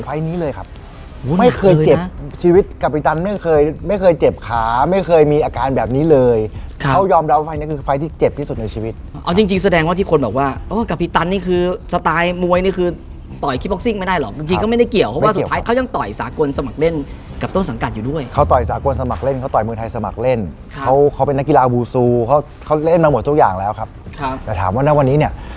ไฟต์นี้เลยครับไม่เคยเจ็บชีวิตกับพี่ตันไม่เคยไม่เคยเจ็บขาไม่เคยมีอาการแบบนี้เลยครับเขายอมรับไฟต์นี้คือไฟต์ที่เจ็บที่สุดในชีวิตเอาจริงจริงแสดงว่าที่คนบอกว่ากับพี่ตันนี่คือสไตล์มวยนี่คือต่อยคลิปบอกซิ่งไม่ได้หรอกจริงจริงก็ไม่ได้เกี่ยวว่าสุดท้ายเขายังต่อยสากลสมัครเล่นกับต้น